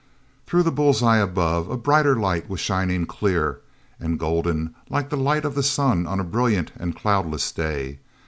Through the bull's eyes above, a brighter light was shining, clear and golden, like the light of the sun on a brilliant and cloudless day.